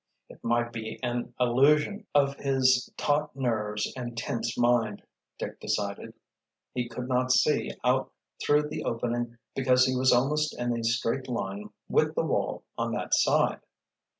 It might be an illusion of his taut nerves and tense mind, Dick decided. He could not see out through the opening because he was almost in a straight line with the wall on that side.